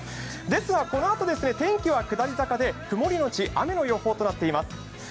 ですが、このあと天気は下り坂で曇りのち雨の予報となっています。